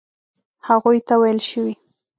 هغوی ته ویل شوي.